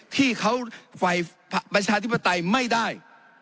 ที่เขาฝ่ายประชาธิปไตยไม่ได้